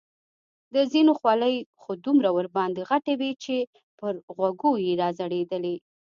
د ځینو خولۍ خو دومره ورباندې غټې وې چې پر غوږو یې را ځړېدلې.